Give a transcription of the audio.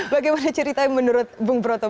bagaimana ceritanya menurut bung proto